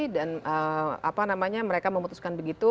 dan apa namanya mereka memutuskan begitu